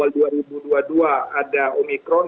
di awal dua ribu dua puluh dua ada omikron